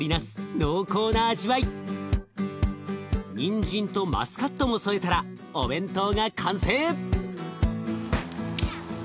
にんじんとマスカットも添えたらお弁当が完成！